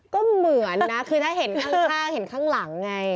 ก็เหมือนนะคือถ้าเห็นข้างเห็นข้างหลังไง